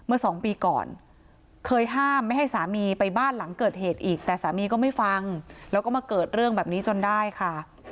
สองปีก่อนเคยห้ามไม่ให้สามีไปบ้านหลังเกิดเหตุอีกแต่สามีก็ไม่ฟังแล้วก็มาเกิดเรื่องแบบนี้จนได้ค่ะ